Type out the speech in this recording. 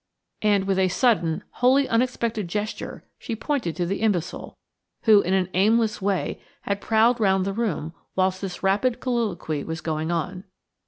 And with a sudden, wholly unexpected gesture she pointed to the imbecile, who in an aimless way had prowled round the room whilst this rapid colloquy was going on.